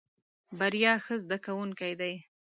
بريا ښه زده کوونکی دی.